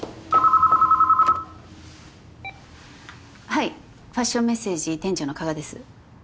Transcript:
☎はいファッションメッセージ店長の加賀です。